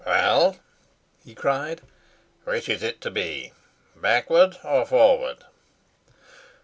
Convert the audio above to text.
"Well?" he cried. "Which is it to be backward or forward?"